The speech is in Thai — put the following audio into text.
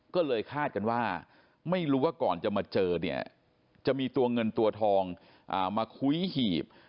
ก็เลยคาดกันว่าไม่รู้ว่าก่อนจะมาเจอเนี่ยจะมีตัวเงินตัวทองมาคุ้ยหีบ